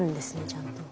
ちゃんと。